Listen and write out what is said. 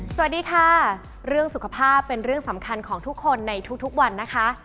สวัสดีค่ะเรื่องสุขภาพเป็นเรื่องสำคัญของทุกคนในทุกวันนะคะ